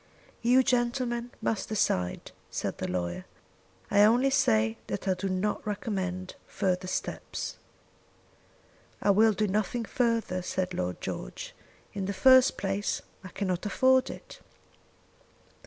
"You, gentlemen, must decide," said the lawyer. "I only say that I do not recommend further steps." "I will do nothing further," said Lord George. "In the first place I cannot afford it."